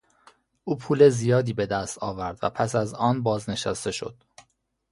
او پول زیادی به دست آورد و پس از آن بازنشسته شد.